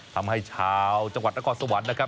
ทำให้ชาวจังหวัดนครสวรรค์นะครับ